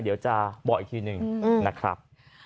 เดี๋ยวจะบอกอีกทีหนึ่งนะครับ